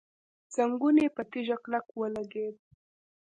زنګون يې په تيږه کلک ولګېد.